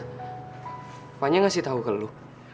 kafanya ngasih tau ke lo